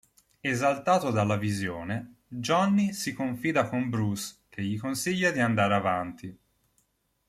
Esaltato dalla visione, Johnny si confida con Bruce che gli consiglia di andare avanti.